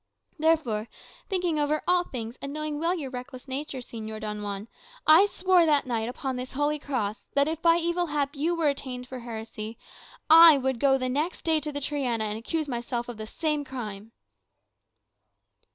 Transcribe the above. Therefore, thinking over all things, and knowing well your reckless nature, Señor Don Juan, I swore that night upon this holy cross, that if by evil hap you were attainted for heresy, I would go next day to the Triana and accuse myself of the same crime."